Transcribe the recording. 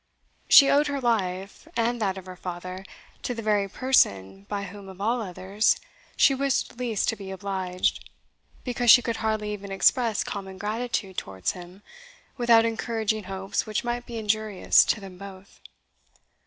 She owed her life, and that of her father, to the very person by whom, of all others, she wished least to be obliged, because she could hardly even express common gratitude towards him without encouraging hopes which might be injurious to them both.